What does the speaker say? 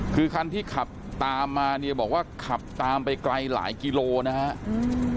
คือคันที่ขับตามมาเนี่ยบอกว่าขับตามไปไกลหลายกิโลนะครับ